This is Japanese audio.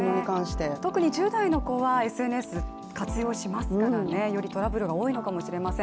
特に１０代の子はＳＮＳを活用しますからね、よりトラブルが多いのかもしれません。